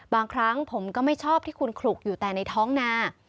บางครั้งผมก็ไม่ชอบที่คุณขลุกอยู่แต่ในท้องนา